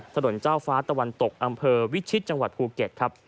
เจ้าฟ้าตะวันตกอำเภอวิชิตจังหวัดภูเก็ตครับ